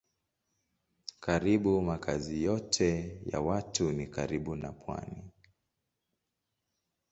Karibu makazi yote ya watu ni karibu na pwani.